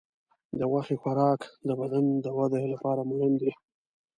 د غوښې خوراک د بدن د وده لپاره مهم دی.